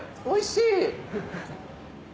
おいしい！